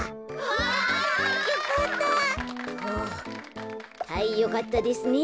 はいよかったですね。